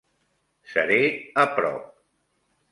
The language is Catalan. Seré a prop.